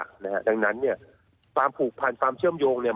ผู้จำหน่ายสละนะครับดังนั้นเนี่ยความผูกผ่านความเชื่อมโยงเนี่ย